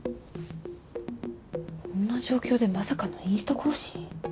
こんな状況でまさかのインスタ更新？